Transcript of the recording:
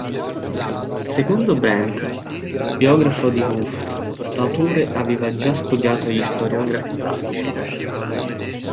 Secondo Brandt, biografo di Hooft, l'autore aveva già studiato gli storiografi classici.